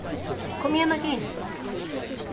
小宮山議員。